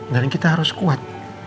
dan kita harus kuat